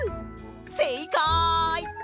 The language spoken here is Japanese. せいかい！